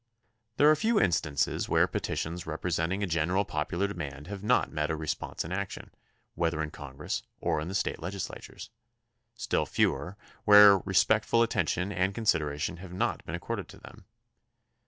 There are few instances where petitions representing a genuine popular demand have not met a response in action, whether in Congress or in the State legislatures; still fewer where respectful attention and consideration have not been accorded to them.